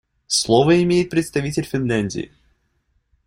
Слово имеет представитель Финляндии.